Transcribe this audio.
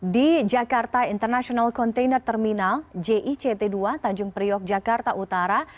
di jakarta international container terminal jict dua tanjung priok jakarta utara